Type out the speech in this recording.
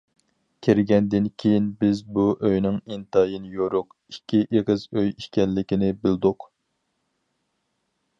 كىرگەندىن كېيىن بىز بۇ ئۆينىڭ ئىنتايىن يورۇق، ئىككى ئېغىز ئۆي ئىكەنلىكىنى بىلدۇق.